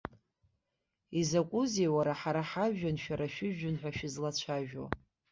Изакәызеи, уара, ҳара ҳажәҩан, шәара шәыжәҩан ҳәа шәызлацәажәо.